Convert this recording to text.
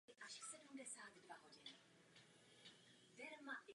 Byl zakladatelem a ředitelem "První rakouské privátní právní školy" ve Vídni.